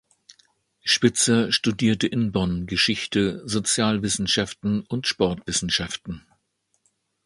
Spitzer studierte in Bonn Geschichte, Sozialwissenschaften und Sportwissenschaften.